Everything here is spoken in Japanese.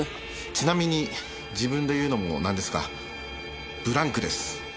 ちなみに自分で言うのもなんですがブランクです。